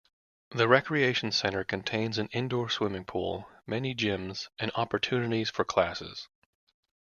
The Recreation Center contains an indoor swimming pool, many gyms, and opportunities for classes.